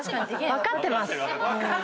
「分かってます」